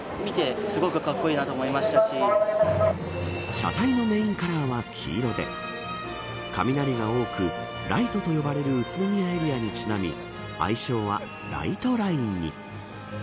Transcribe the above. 車体のメーンカラーは黄色で雷が多く雷都と呼ばれる宇都宮エリアにちなみ愛称は雷都ラインに。